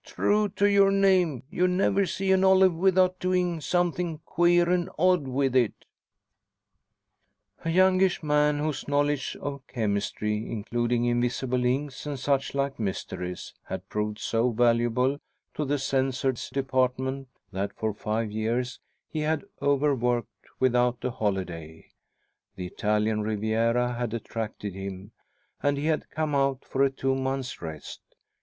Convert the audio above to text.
True to your name, you never see an olive without doing something queer and odd with it!" A youngish man, whose knowledge of chemistry, including invisible inks and such like mysteries, had proved so valuable to the Censor's Department that for five years he had overworked without a holiday, the Italian Riviera had attracted him, and he had come out for a two months' rest.